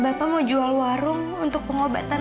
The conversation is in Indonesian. bapak mau jual warung untuk pengobatan aida kan